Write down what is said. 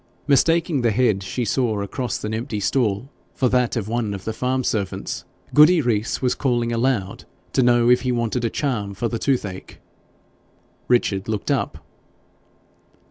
Mistaking the head she saw across an empty stall for that of one of the farm servants, Goody Rees was calling aloud to know if he wanted a charm for the toothache. Richard looked up.